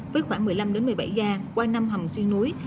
với khoảng một mươi năm một mươi bảy ga qua năm hầm xuyên núi